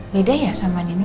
beda ya sama nino